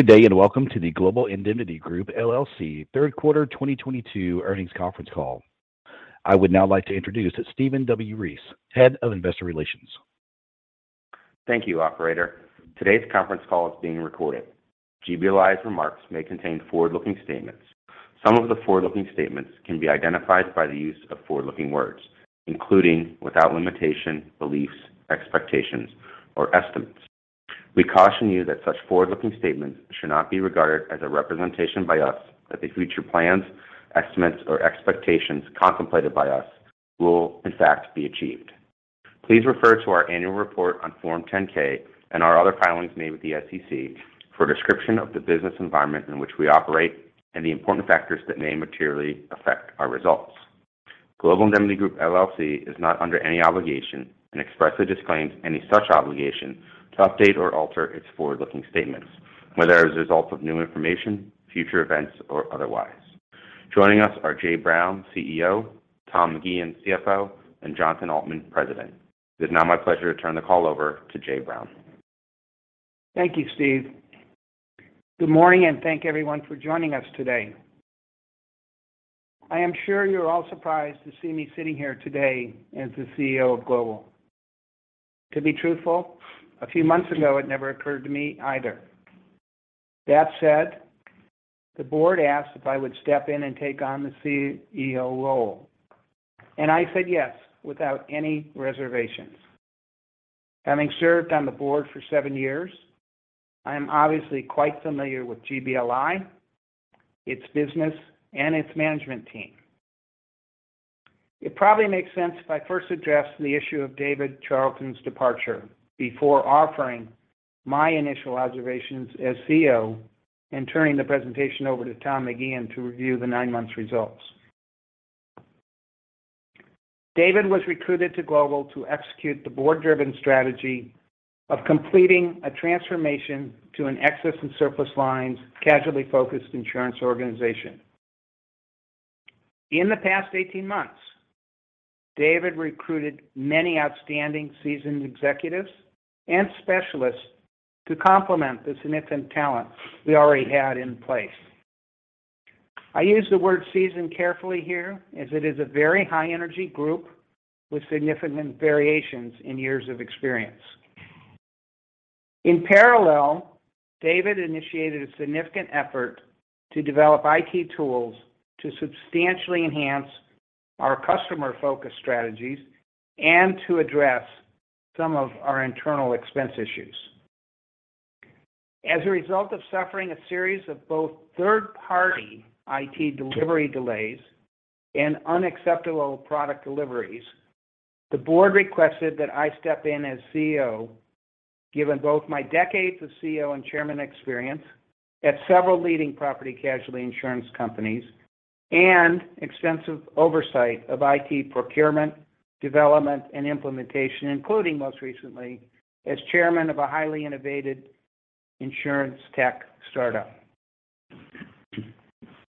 Good day. Welcome to the Global Indemnity Group LLC third quarter 2022 earnings conference call. I would now like to introduce Stephen W. Ries, Head of Investor Relations. Thank you, operator. Today's conference call is being recorded. GBLI's remarks may contain forward-looking statements. Some of the forward-looking statements can be identified by the use of forward-looking words, including, without limitation, beliefs, expectations, or estimates. We caution you that such forward-looking statements should not be regarded as a representation by us that the future plans, estimates, or expectations contemplated by us will in fact be achieved. Please refer to our annual report on Form 10-K and our other filings made with the SEC for a description of the business environment in which we operate and the important factors that may materially affect our results. Global Indemnity Group LLC is not under any obligation and expressly disclaims any such obligation to update or alter its forward-looking statements, whether as a result of new information, future events, or otherwise. Joining us are Jay Brown, CEO, Tom McGeehan, CFO, and Jonathan Altman, President. It is now my pleasure to turn the call over to Jay Brown. Thank you, Steve. Good morning. Thank everyone for joining us today. I am sure you're all surprised to see me sitting here today as the CEO of Global. To be truthful, a few months ago, it never occurred to me either. That said, the board asked if I would step in and take on the CEO role. I said yes without any reservations. Having served on the board for seven years, I am obviously quite familiar with GBLI, its business, and its management team. It probably makes sense if I first address the issue of David Charlton's departure before offering my initial observations as CEO and turning the presentation over to Tom McGeehan to review the nine-month results. David was recruited to Global to execute the board-driven strategy of completing a transformation to an excess and surplus lines casualty focused insurance organization. In the past 18 months, David recruited many outstanding seasoned executives and specialists to complement the significant talent we already had in place. I use the word seasoned carefully here as it is a very high-energy group with significant variations in years of experience. In parallel, David initiated a significant effort to develop IT tools to substantially enhance our customer-focused strategies and to address some of our internal expense issues. As a result of suffering a series of both third-party IT delivery delays and unacceptable product deliveries, the board requested that I step in as CEO, given both my decades of CEO and Chairman experience at several leading property casualty insurance companies and extensive oversight of IT procurement, development, and implementation, including, most recently, as Chairman of a highly innovated insurtech startup.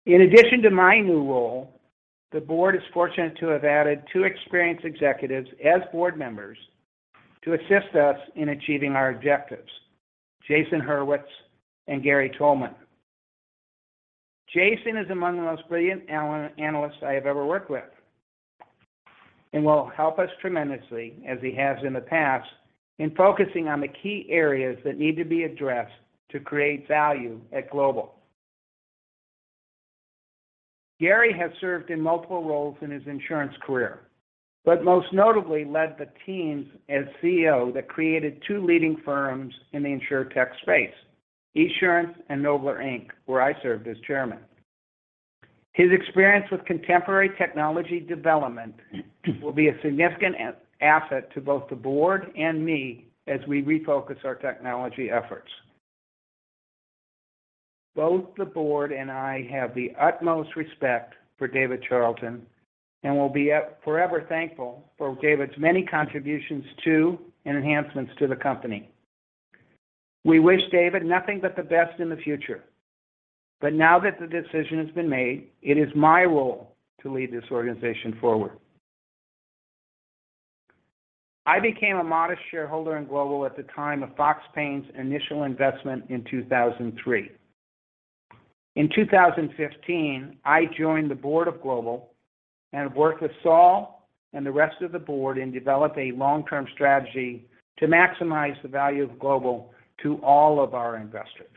In addition to my new role, the board is fortunate to have added two experienced executives as board members to assist us in achieving our objectives, Jason Hurwitz and Gary Tolman. Jason is among the most brilliant analysts I have ever worked with and will help us tremendously, as he has in the past, in focusing on the key areas that need to be addressed to create value at Global. Gary has served in multiple roles in his insurance career, but most notably led the teams as CEO that created two leading firms in the insurtech space, Esurance and Noblr Inc., where I served as Chairman. His experience with contemporary technology development will be a significant asset to both the board and me as we refocus our technology efforts. Both the board and I have the utmost respect for David Charlton and will be forever thankful for David's many contributions to and enhancements to the company. We wish David nothing but the best in the future. Now that the decision has been made, it is my role to lead this organization forward. I became a modest shareholder in Global at the time of Fox Paine's initial investment in 2003. In 2015, I joined the board of Global and have worked with Saul and the rest of the board in developing a long-term strategy to maximize the value of Global to all of our investors.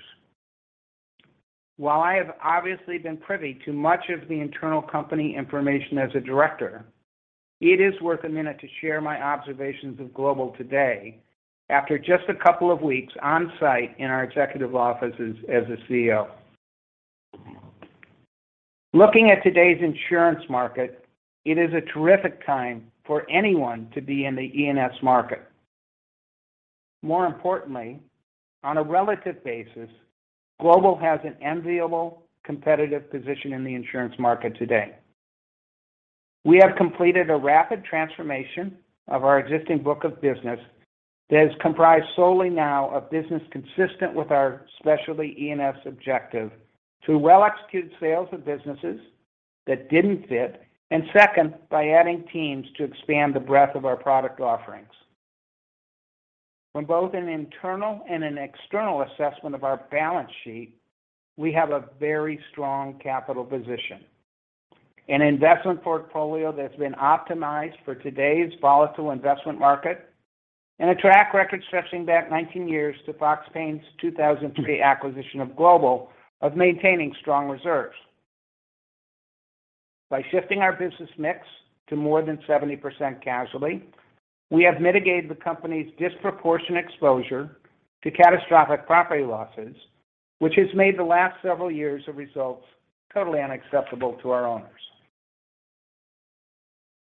While I have obviously been privy to much of the internal company information as a Director, it is worth a minute to share my observations of Global today after just a couple of weeks on-site in our executive offices as the CEO. Looking at today's insurance market, it is a terrific time for anyone to be in the E&S market. More importantly, on a relative basis, Global has an enviable competitive position in the insurance market today. We have completed a rapid transformation of our existing book of business that is comprised solely now of business consistent with our specialty E&S objective through well-executed sales of businesses that didn't fit, and second, by adding teams to expand the breadth of our product offerings. From both an internal and an external assessment of our balance sheet, we have a very strong capital position, an investment portfolio that's been optimized for today's volatile investment market, and a track record stretching back 19 years to Fox Paine's 2003 acquisition of Global, of maintaining strong reserves. By shifting our business mix to more than 70% casualty, we have mitigated the company's disproportionate exposure to catastrophic property losses, which has made the last several years of results totally unacceptable to our owners.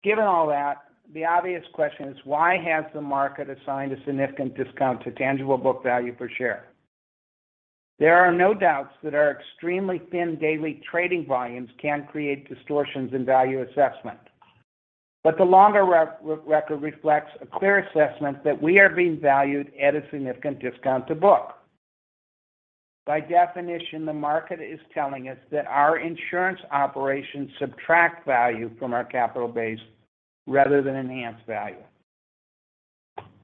Given all that, the obvious question is: why has the market assigned a significant discount to tangible book value per share? There are no doubts that our extremely thin daily trading volumes can create distortions in value assessment. The longer record reflects a clear assessment that we are being valued at a significant discount to book. By definition, the market is telling us that our insurance operations subtract value from our capital base rather than enhance value.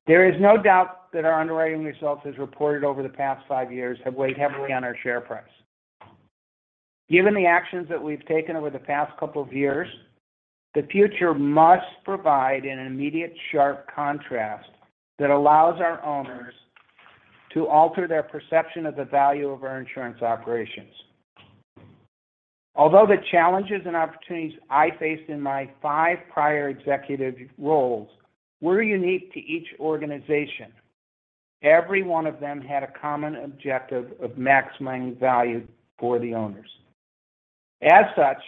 There is no doubt that our underwriting results, as reported over the past five years, have weighed heavily on our share price. Given the actions that we've taken over the past couple of years, the future must provide an immediate, sharp contrast that allows our owners to alter their perception of the value of our insurance operations. Although the challenges and opportunities I faced in my five prior executive roles were unique to each organization, every one of them had a common objective of maximizing value for the owners. As such,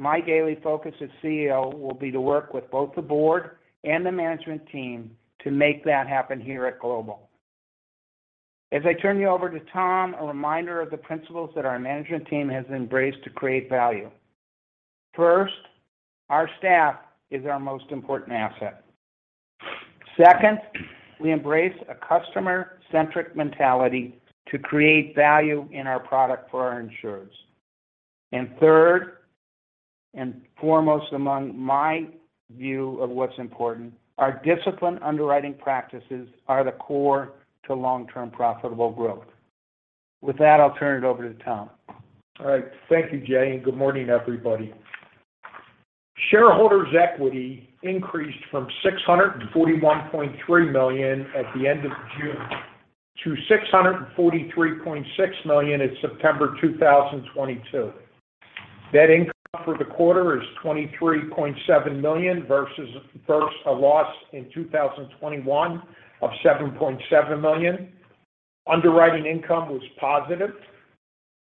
my daily focus as CEO will be to work with both the board and the management team to make that happen here at Global. As I turn you over to Tom, a reminder of the principles that our management team has embraced to create value. First, our staff is our most important asset. Second, we embrace a customer-centric mentality to create value in our product for our insurers. Third, and foremost among my view of what's important, our disciplined underwriting practices are the core to long-term profitable growth. With that, I'll turn it over to Tom. All right. Thank you, Jay, and good morning, everybody. Shareholders' equity increased from $641.3 million at the end of June to $643.6 million in September 2022. Net income for the quarter is $23.7 million versus a loss in 2021 of $7.7 million. Underwriting income was positive.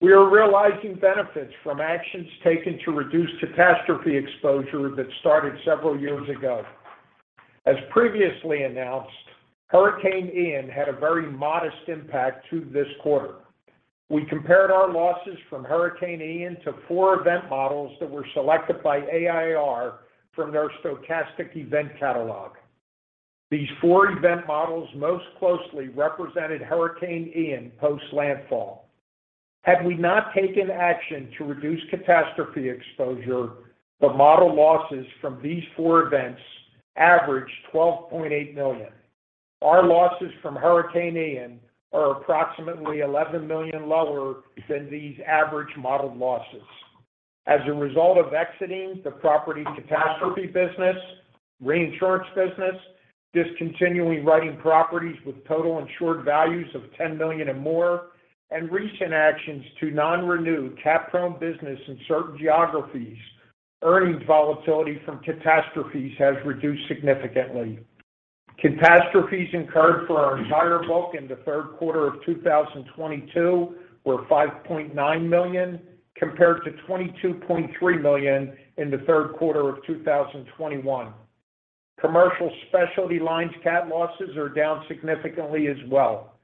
We are realizing benefits from actions taken to reduce catastrophe exposure that started several years ago. As previously announced, Hurricane Ian had a very modest impact to this quarter. We compared our losses from Hurricane Ian to four event models that were selected by AIR from their stochastic event catalog. These four event models most closely represented Hurricane Ian post-landfall. Had we not taken action to reduce catastrophe exposure, the model losses from these four events averaged $12.8 million. Our losses from Hurricane Ian are approximately $11 million lower than these average modeled losses. As a result of exiting the property catastrophe business, reinsurance business, discontinuing writing properties with total insured values of $10 million or more, and recent actions to non-renew cat program business in certain geographies, earnings volatility from catastrophes has reduced significantly. Catastrophes incurred for our entire book in the third quarter of 2022 were $5.9 million, compared to $22.3 million in the third quarter of 2021. Commercial specialty lines cat losses are down significantly as well.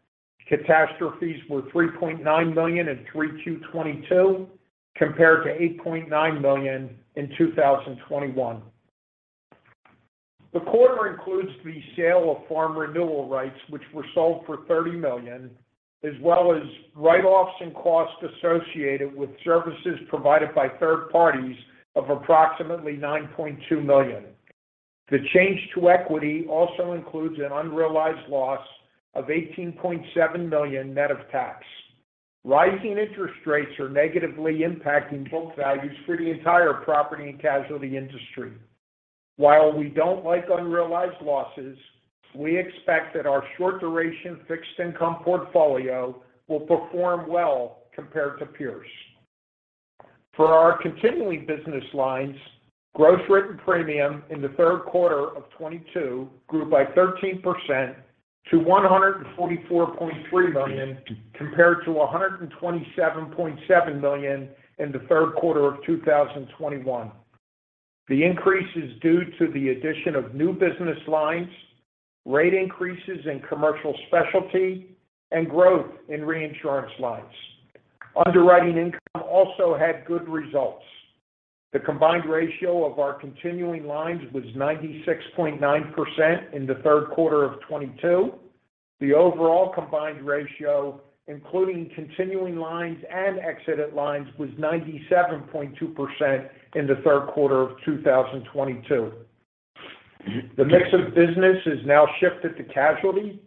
Catastrophes were $3.9 million in 3Q22, compared to $8.9 million in 2021. The quarter includes the sale of farm renewal rights, which were sold for $30 million, as well as write-offs and costs associated with services provided by third parties of approximately $9.2 million. The change to equity also includes an unrealized loss of $18.7 million, net of tax. Rising interest rates are negatively impacting book values for the entire property and casualty industry. While we don't like unrealized losses, we expect that our short duration fixed income portfolio will perform well compared to peers. For our continuing business lines, gross written premium in the third quarter of '22 grew by 13% to $144.3 million, compared to $127.7 million in the third quarter of 2021. The increase is due to the addition of new business lines, rate increases in commercial specialty, and growth in reinsurance lines. Underwriting income also had good results. The combined ratio of our continuing lines was 96.9% in the third quarter of '22. The overall combined ratio, including continuing lines and exited lines, was 97.2% in the third quarter of 2022. The mix of business has now shifted to casualty.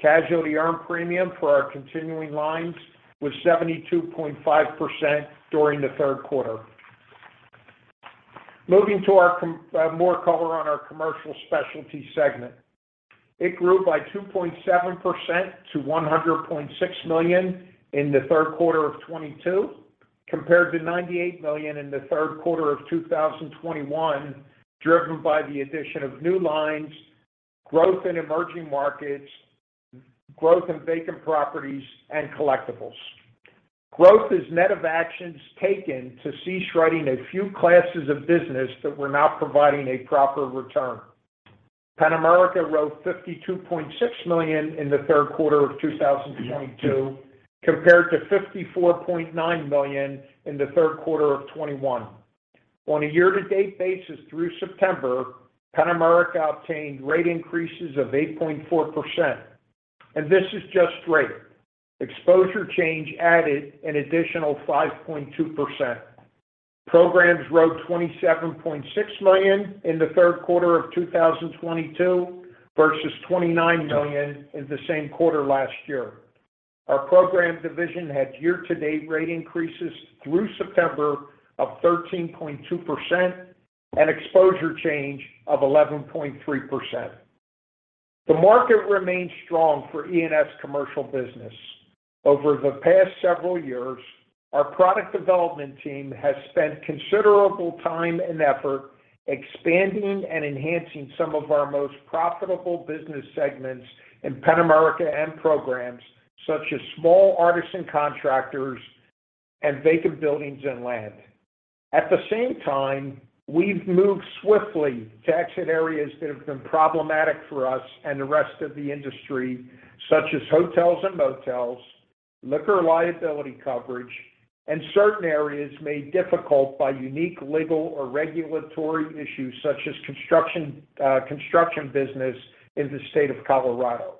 Casualty earned premium for our continuing lines was 72.5% during the third quarter. Moving to more color on our Commercial Specialty segment. It grew by 2.7% to $100.6 million in the third quarter of '22, compared to $98 million in the third quarter of 2021, driven by the addition of new lines, growth in emerging markets, growth in vacant properties, and collectibles. Growth is net of actions taken to cease writing a few classes of business that were not providing a proper return. Penn-America wrote $52.6 million in the third quarter of 2022 compared to $54.9 million in the third quarter of '21. On a year-to-date basis through September, Penn-America obtained rate increases of 8.4%. This is just rate. Exposure change added an additional 5.2%. Programs wrote $27.6 million in the third quarter of 2022 versus $29 million in the same quarter last year. Our Program division had year-to-date rate increases through September of 13.2% and exposure change of 11.3%. The market remains strong for E&S commercial business. Over the past several years, our product development team has spent considerable time and effort expanding and enhancing some of our most profitable business segments in Penn-America and Programs, such as small artisan contractors and vacant buildings and land. At the same time, we've moved swiftly to exit areas that have been problematic for us and the rest of the industry, such as hotels and motels, liquor liability coverage, and certain areas made difficult by unique legal or regulatory issues such as construction business in the state of Colorado.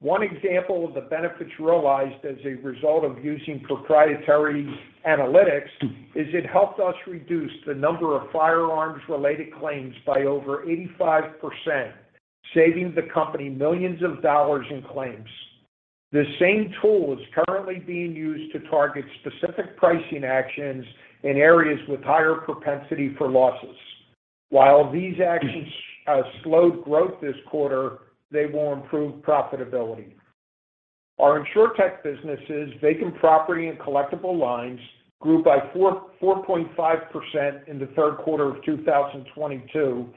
One example of the benefits realized as a result of using proprietary analytics is it helped us reduce the number of firearms-related claims by over 85%, saving the company millions of dollars in claims. The same tool is currently being used to target specific pricing actions in areas with higher propensity for losses. While these actions slowed growth this quarter, they will improve profitability. Our insurtech businesses, vacant property, and collectible lines grew by 4.5% in the third quarter of 2022,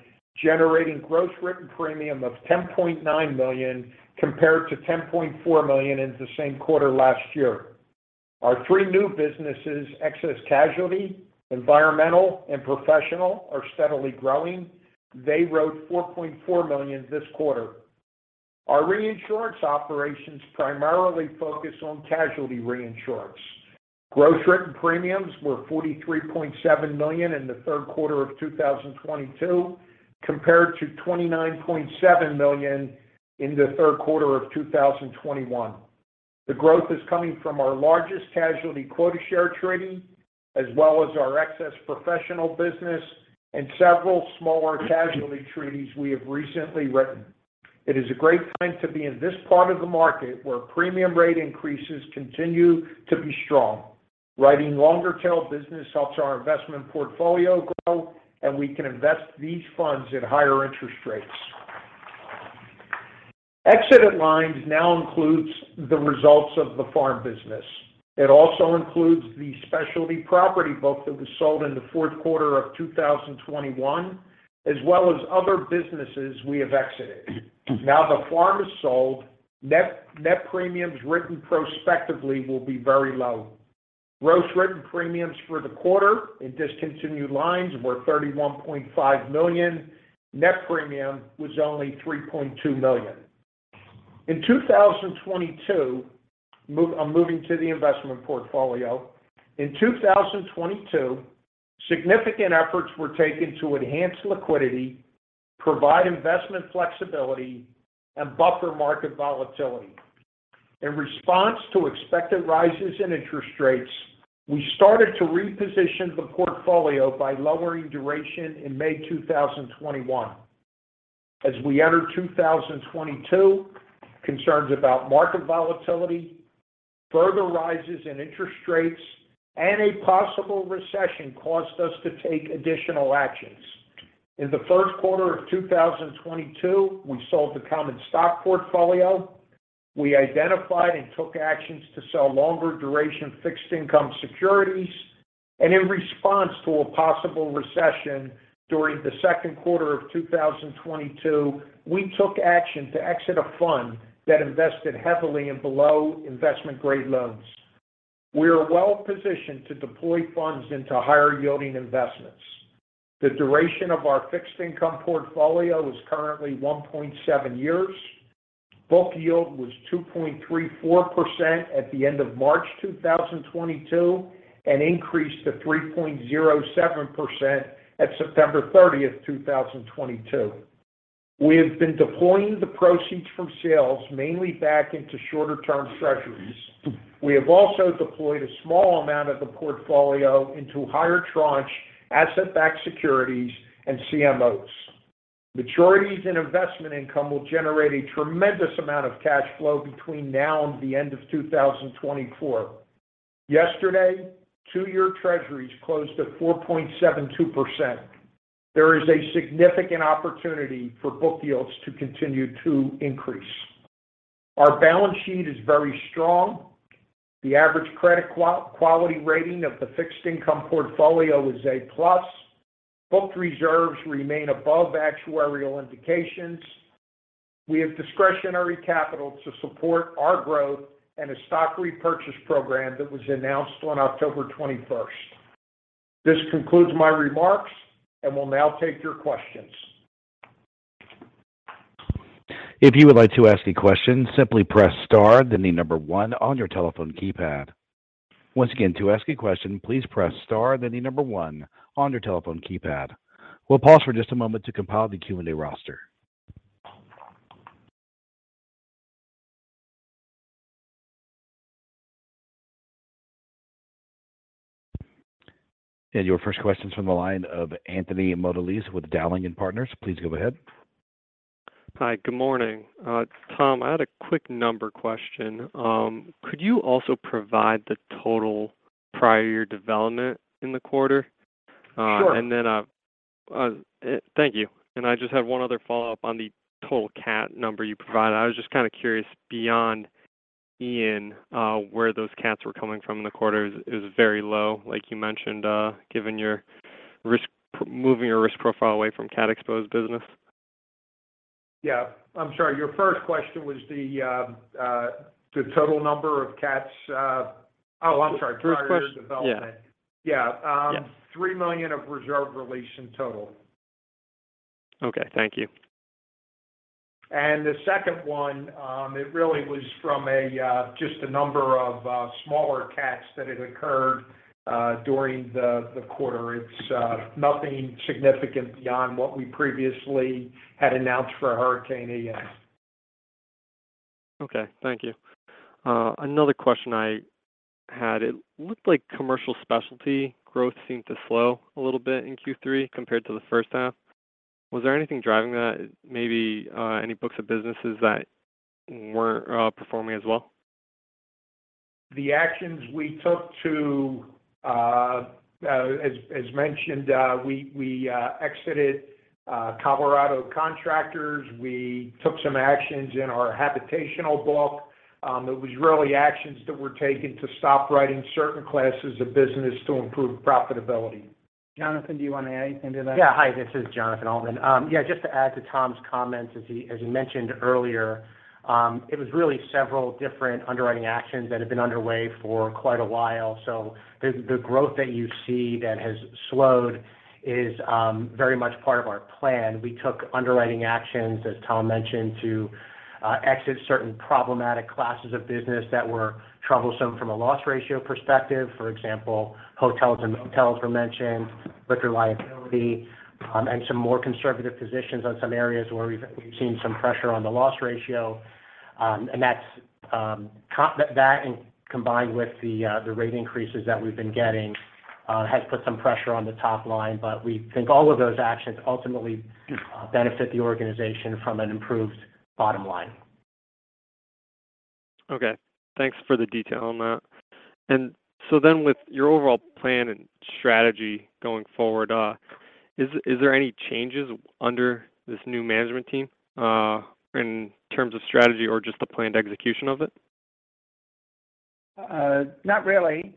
generating gross written premium of $10.9 million compared to $10.4 million in the same quarter last year. Our three new businesses, Excess Casualty, Environmental, and Professional, are steadily growing. They wrote $4.4 million this quarter. Our reinsurance operations primarily focus on casualty reinsurance. Gross written premiums were $43.7 million in the third quarter of 2022 compared to $29.7 million in the third quarter of 2021. The growth is coming from our largest casualty quota share treaty, as well as our excess Professional business and several smaller casualty treaties we have recently written. It is a great time to be in this part of the market where premium rate increases continue to be strong. Writing longer-tail business helps our investment portfolio grow, we can invest these funds at higher interest rates. Exited lines now includes the results of the farm business. It also includes the specialty property book that was sold in the fourth quarter of 2021, as well as other businesses we have exited. The farm is sold, net premiums written prospectively will be very low. Gross written premiums for the quarter in discontinued lines were $31.5 million. Net premium was only $3.2 million. I'm moving to the investment portfolio. In 2022, significant efforts were taken to enhance liquidity, provide investment flexibility, and buffer market volatility. In response to expected rises in interest rates, we started to reposition the portfolio by lowering duration in May 2021. We entered 2022, concerns about market volatility, further rises in interest rates, and a possible recession caused us to take additional actions. In the first quarter of 2022, we sold the common stock portfolio. We identified and took actions to sell longer duration fixed income securities, in response to a possible recession during the second quarter of 2022, we took action to exit a fund that invested heavily in below investment-grade loans. We are well-positioned to deploy funds into higher-yielding investments. The duration of our fixed income portfolio is currently 1.7 years. Book yield was 2.34% at the end of March 2022 and increased to 3.07% at September 30th, 2022. We have been deploying the proceeds from sales mainly back into shorter-term treasuries. We have also deployed a small amount of the portfolio into higher tranche asset-backed securities and CMOs. Maturities and investment income will generate a tremendous amount of cash flow between now and the end of 2024. Yesterday, 2-year treasuries closed at 4.72%. There is a significant opportunity for book yields to continue to increase. Our balance sheet is very strong. The average credit quality rating of the fixed income portfolio is A-plus. Booked reserves remain above actuarial indications. We have discretionary capital to support our growth and a stock repurchase program that was announced on October 21st. This concludes my remarks, we'll now take your questions. If you would like to ask a question, simply press star, then the number one on your telephone keypad. Once again, to ask a question, please press star, then the number one on your telephone keypad. We'll pause for just a moment to compile the Q&A roster. Your first question's from the line of Anthony Mottolese with Dowling & Partners. Please go ahead. Hi, good morning. It's Tom. I had a quick number question. Could you also provide the total prior year development in the quarter? Sure. Thank you. I just have one other follow-up on the total cat number you provided. I was just kind of curious beyond Ian, where those cats were coming from in the quarter is very low, like you mentioned, given moving your risk profile away from cat exposed business. I'm sorry, your first question was the total number of cats. I'm sorry. Prior year development. Yeah. Yeah. $3 million of reserve release in total. Okay. Thank you. The second one, it really was from just a number of smaller cats that had occurred during the quarter. It's nothing significant beyond what we previously had announced for Hurricane Ian. Okay. Thank you. Another question I had, it looked like commercial specialty growth seemed to slow a little bit in Q3 compared to the first half. Was there anything driving that? Maybe any books of businesses that weren't performing as well? The actions we took to, as mentioned, we exited Colorado Contractors. We took some actions in our habitational book. It was really actions that were taken to stop writing certain classes of business to improve profitability. Jonathan, do you want to add anything to that? Yeah. Hi, this is Jonathan Altman. Yeah, just to add to Tom's comments, as he mentioned earlier, it was really several different underwriting actions that have been underway for quite a while. The growth that you see that has slowed is very much part of our plan. We took underwriting actions, as Tom mentioned, to exit certain problematic classes of business that were troublesome from a loss ratio perspective. For example, hotels and motels were mentioned, liquor liability, and some more conservative positions on some areas where we've seen some pressure on the loss ratio. That, combined with the rate increases that we've been getting, has put some pressure on the top line. We think all of those actions ultimately benefit the organization from an improved bottom line. Okay. Thanks for the detail on that. With your overall plan and strategy going forward, is there any changes under this new management team, in terms of strategy or just the planned execution of it? Not really.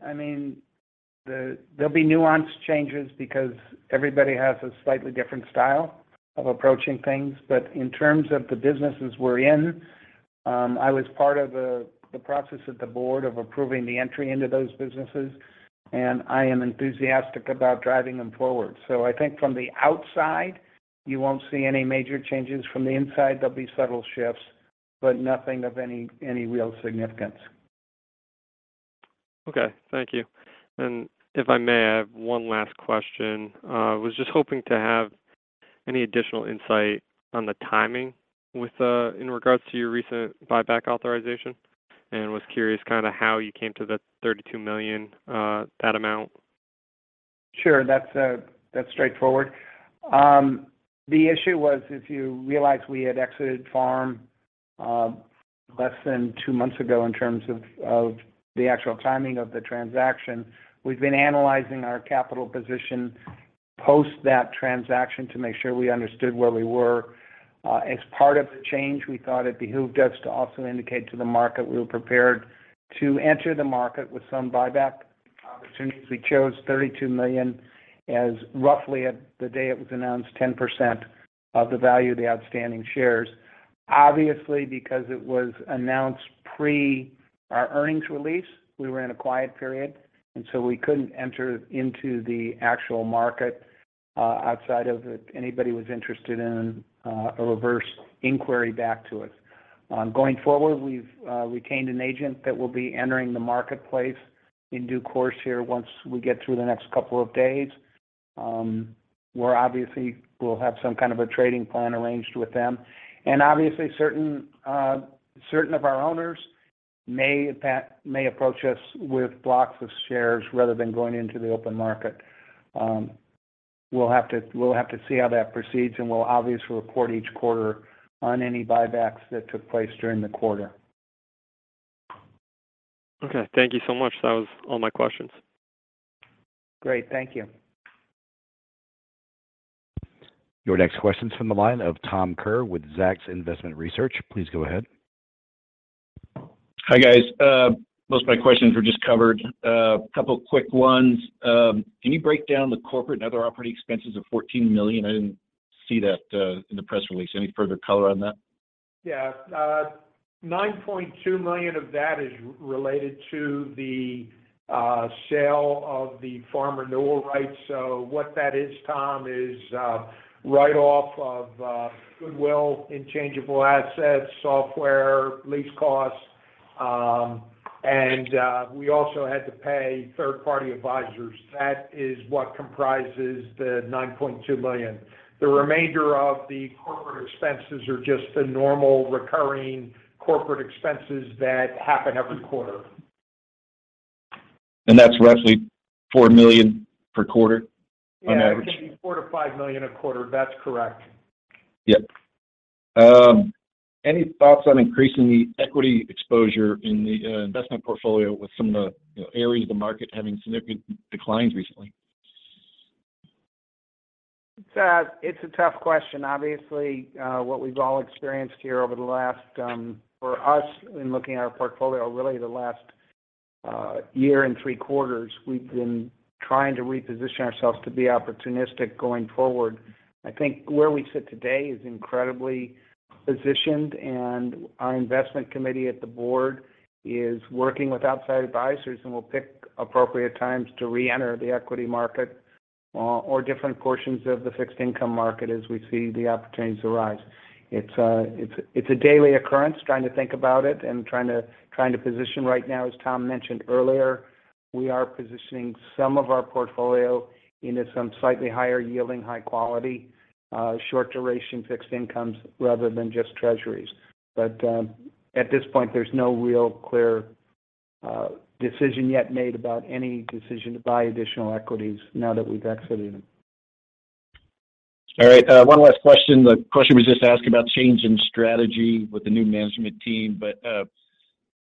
There'll be nuanced changes because everybody has a slightly different style of approaching things. In terms of the businesses we're in, I was part of the process at the board of approving the entry into those businesses, and I am enthusiastic about driving them forward. I think from the outside, you won't see any major changes. From the inside, there'll be subtle shifts, but nothing of any real significance. Okay. Thank you. If I may, I have one last question. I was just hoping to have any additional insight on the timing in regards to your recent buyback authorization, and was curious kind of how you came to the $32 million, that amount. Sure. That's straightforward. The issue was, if you realize we had exited Farm less than two months ago in terms of the actual timing of the transaction. We've been analyzing our capital position post that transaction to make sure we understood where we were. As part of the change, we thought it behooved us to also indicate to the market we were prepared to enter the market with some buyback opportunities. We chose $32 million as roughly at the day it was announced, 10% of the value of the outstanding shares. Obviously, because it was announced pre our earnings release, we were in a quiet period, and so we couldn't enter into the actual market outside of if anybody was interested in a reverse inquiry back to us. Going forward, we've retained an agent that will be entering the marketplace in due course here once we get through the next couple of days. Where obviously we'll have some kind of a trading plan arranged with them. Obviously certain of our owners may approach us with blocks of shares rather than going into the open market. We'll have to see how that proceeds, and we'll obviously report each quarter on any buybacks that took place during the quarter. Okay. Thank you so much. That was all my questions. Great. Thank you. Your next question's from the line of Tom Kerr with Zacks Investment Research. Please go ahead. Hi, guys. Most of my questions were just covered. A couple quick ones. Can you break down the corporate and other operating expenses of $14 million? I didn't see that in the press release. Any further color on that? Yeah. $9.2 million of that is related to the sale of the farm renewal rights. What that is, Tom, is write off of goodwill, intangible assets, software, lease costs. We also had to pay third-party advisors. That is what comprises the $9.2 million. The remainder of the corporate expenses are just the normal recurring corporate expenses that happen every quarter. That's roughly $4 million per quarter on average? Yeah. It can be $4 million to $5 million a quarter. That's correct. Yep. Any thoughts on increasing the equity exposure in the investment portfolio with some of the areas of the market having significant declines recently? It's a tough question. Obviously, what we've all experienced here over the last, for us in looking at our portfolio, really the last one year and three quarters, we've been trying to reposition ourselves to be opportunistic going forward. I think where we sit today is incredibly positioned and our investment committee at the board is working with outside advisors and will pick appropriate times to reenter the equity market or different portions of the fixed income market as we see the opportunities arise. It's a daily occurrence trying to think about it and trying to position right now. As Tom mentioned earlier, we are positioning some of our portfolio into some slightly higher yielding, high quality, short duration fixed incomes rather than just treasuries. At this point, there's no real clear decision yet made about any decision to buy additional equities now that we've exited. All right. One last question. The question was just asking about change in strategy with the new management team, but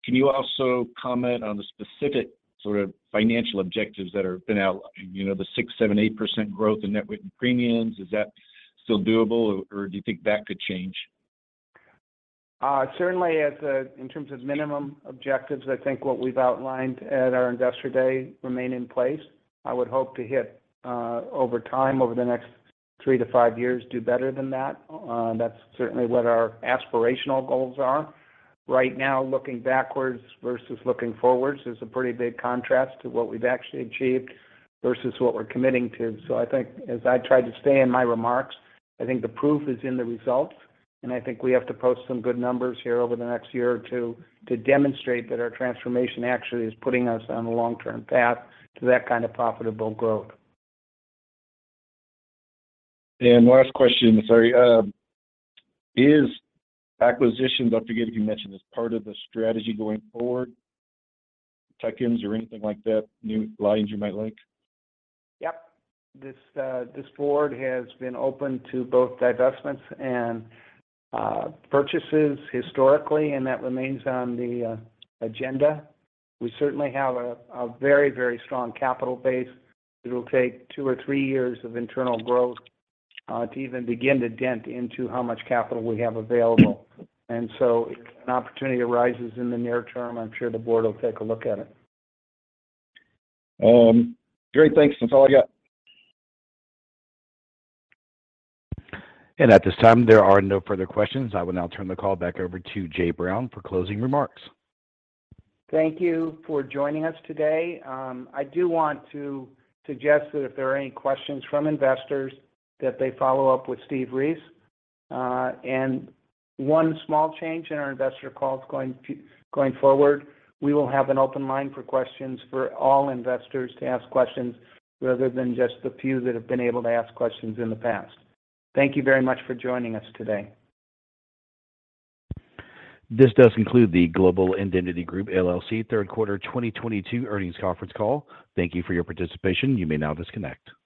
can you also comment on the specific sort of financial objectives that have been outlined? The 6%, 7%, 8% growth in net premiums. Is that still doable or do you think that could change? Certainly in terms of minimum objectives, I think what we've outlined at our Investor Day remain in place. I would hope to hit over time, over the next 3-5 years, do better than that. That's certainly what our aspirational goals are. Right now, looking backwards versus looking forwards is a pretty big contrast to what we've actually achieved versus what we're committing to. I think as I tried to stay in my remarks, I think the proof is in the results, and I think we have to post some good numbers here over the next year or two to demonstrate that our transformation actually is putting us on a long-term path to that kind of profitable growth. Last question, sorry. Is acquisition, I forget if you mentioned, is part of the strategy going forward? Insurtech or anything like that, new lines you might like? Yep. This board has been open to both divestments and purchases historically, and that remains on the agenda. We certainly have a very strong capital base. It'll take two or three years of internal growth to even begin to dent into how much capital we have available. If an opportunity arises in the near term, I'm sure the board will take a look at it. Great. Thanks. That's all I got. At this time, there are no further questions. I will now turn the call back over to Jay Brown for closing remarks. Thank you for joining us today. I do want to suggest that if there are any questions from investors, that they follow up with Steve Ries. One small change in our investor calls going forward, we will have an open line for questions for all investors to ask questions rather than just the few that have been able to ask questions in the past. Thank you very much for joining us today. This does conclude the Global Indemnity Group, LLC Third Quarter 2022 Earnings Conference Call. Thank you for your participation. You may now disconnect.